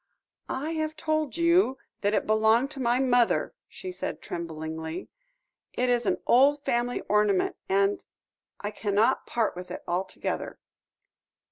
"I have told you that it belonged to my mother," she said tremblingly; "it is an old family ornament, and I cannot part with it altogether."